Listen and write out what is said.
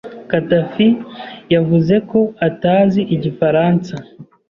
Khadafi yavuze ko atazi Igifaransa.